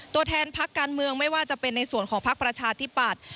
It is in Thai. ตัวแทนพักการเมืองไม่ว่าจะเป็นในส่วนของพักประชาธิปัตย์